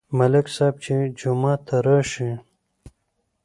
ملک صاحب چې جومات ته راشي،